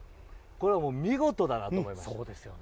これは見事だなと思いました。